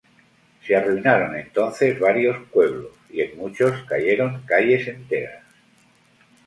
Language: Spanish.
Se arruinaron entonces varios pueblos y en muchos cayeron calles enteras.